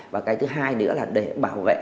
và cái thứ hai nữa là để bảo vệ